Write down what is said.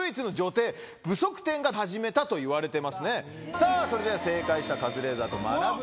さぁそれでは正解した「カズレーザーと学ぶ。